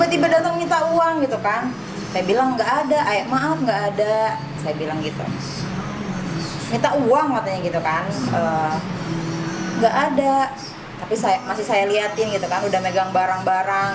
tidak ada tapi masih saya lihatin sudah megang barang barang